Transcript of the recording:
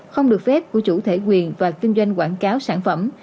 không được phép của chủ thể quyền và kinh doanh quảng cáo sản phẩm